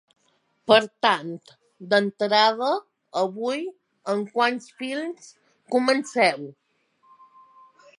Per tant, d’entrada, avui, amb quants films comenceu?